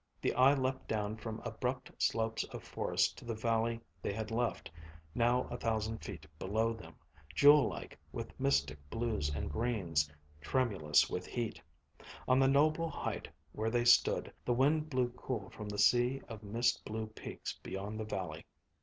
The eye leaped down abrupt slopes of forest to the valley they had left, now a thousand feet below them, jewel like with mystic blues and greens, tremulous with heat. On the noble height where they stood, the wind blew cool from the sea of mist blue peaks beyond the valley.